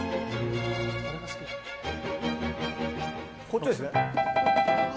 こっちですね。